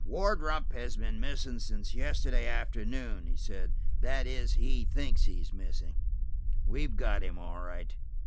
"Wardrop has been missing since yesterday afternoon," he said. "That is, he thinks he's missing. We've got him all right."